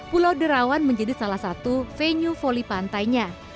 pulau derawan menjadi salah satu venue voli pantainya